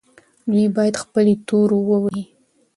دوی باید خپلې تورو ووهي.